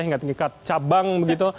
hingga tingkat cabang begitu